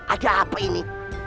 ada apa ini